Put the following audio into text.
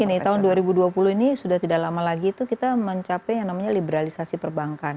jadi gini tahun dua ribu dua puluh ini sudah tidak lama lagi itu kita mencapai yang namanya liberalisasi perbankan